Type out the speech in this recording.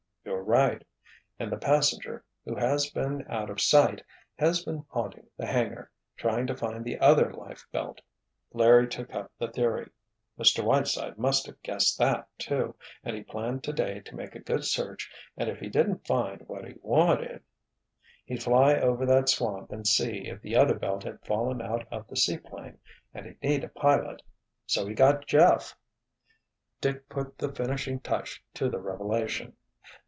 "You're right. And the passenger, who has been out of sight, has been haunting the hangar, trying to find the other life belt," Larry took up the theory. "Mr. Whiteside must have guessed that, too, and he planned today to make a good search and if he didn't find what he wanted——" "He'd fly over that swamp and see if the other belt had fallen out of the seaplane—and he'd need a pilot—so he got Jeff!" Dick put the finishing touch to the revelation.